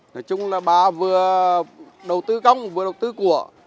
nói chung là bà vừa đầu tư công vừa đầu tư của